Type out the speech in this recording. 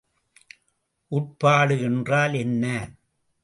உட்பாடு என்றால் என்ன?